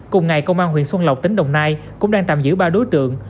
cùng ngày công an huyện xuân lộc tỉnh đồng nai cũng đang tạm giữ ba đối tượng